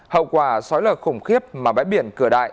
hậu quả xói lở khủng khiếp mà bãi biển cửa đại